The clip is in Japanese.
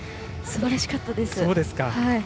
すばらしかったです。